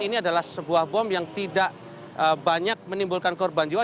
ini adalah sebuah bom yang tidak banyak menimbulkan korban jiwa